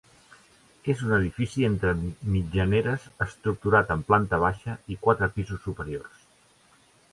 És un edifici entre mitjaneres estructurat en planta baixa i quatre pisos superiors.